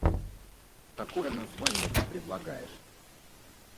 Какое название ты предлагаешь?